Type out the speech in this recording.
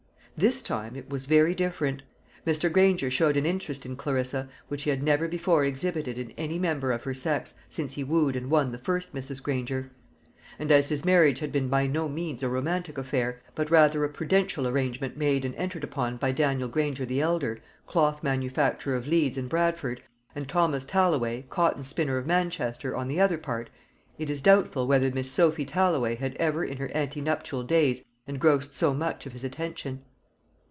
This time it was very different. Mr. Granger showed an interest in Clarissa which he had never before exhibited in any member of her sex since he wooed and won the first Mrs. Granger; and as his marriage had been by no means a romantic affair, but rather a prudential arrangement made and entered upon by Daniel Granger the elder, cloth manufacturer of Leeds and Bradford, on the one part, and Thomas Talloway, cotton spinner of Manchester, on the other part, it is doubtful whether Miss Sophy Talloway had ever in her ante nuptial days engrossed so much of his attention.